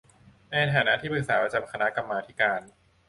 ในฐานะที่ปรึกษาประจำคณะกรรมาธิการ